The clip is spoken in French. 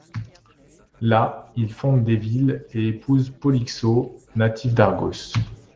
Là, il fonde des villes et épouse Polyxo, native d'Argos.